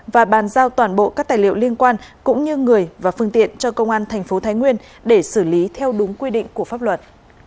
và bàn giao toàn bộ các tài liệu liên quan cũng như người và phương tiện cho công an thành phố thái nguyên để xử lý theo đúng quy định của pháp luật